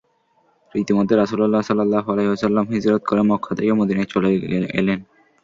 ইতিমধ্যে রাসূলুল্লাহ সাল্লাল্লাহু আলাইহি ওয়াসাল্লাম হিজরত করে মক্কা থেকে মদীনায় চলে এলেন।